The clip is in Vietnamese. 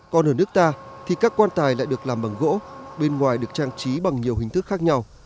còn ở nước ta thì các quan tài lại được làm bằng gỗ bên ngoài được trang trí bằng nhiều hình thức khác nhau